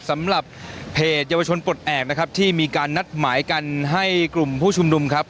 สำหรับเพจเยาวชนปลดแอบนะครับที่มีการนัดหมายกันให้กลุ่มผู้ชุมนุมครับ